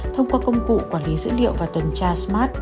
thông qua công cụ quản lý dữ liệu và tuần tra smart